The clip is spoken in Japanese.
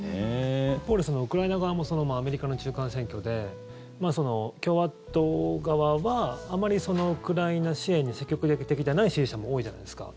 一方でウクライナ側もアメリカの中間選挙で共和党側はあまりウクライナ支援に積極的じゃない支持者も多いじゃないですか。